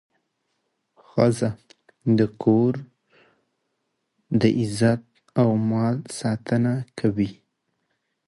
ښځه د کور د عزت او مال ساتنه کوي.